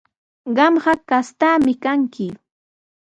Qamqa kastaami kanki.